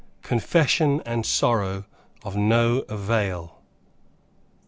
CONFESSION AND SORROW OF NO AVAIL.